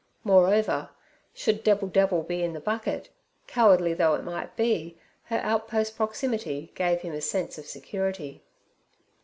Moreover, should Debbil debbil be in the bucket, cowardly though it might be, her outpost proximity gave him a sense of security.